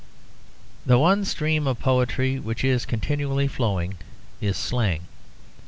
The one stream of poetry which is continually flowing is slang.